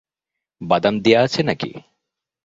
বাদাম দেয়া আছে নাকি?